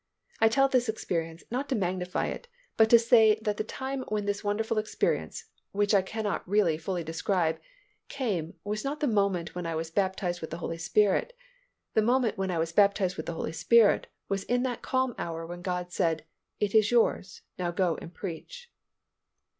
I tell this experience, not to magnify it, but to say that the time when this wonderful experience (which I cannot really fully describe) came was not the moment when I was baptized with the Holy Spirit. The moment when I was baptized with the Holy Spirit was in that calm hour when God said, "It is yours. Now go and preach."